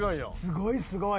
すごいすごい。